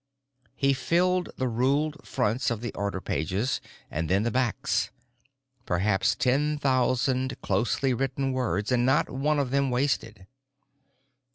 He filled the ruled fronts of the order pages and then the backs—perhaps ten thousand closely written words, and not one of them wasted.